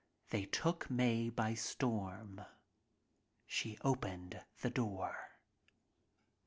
They took Mae by storm. She opened the door.